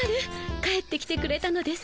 帰ってきてくれたのですか。